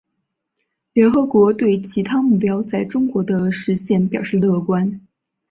联合国对其他目标在中国的实现表示乐观。